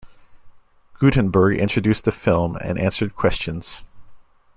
Guttenberg introduced the film and answered questions.